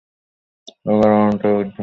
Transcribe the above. এগার ঘন্টা উড্ডয়নকাল।